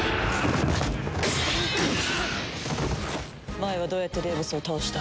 前はどうやってデーボスを倒した？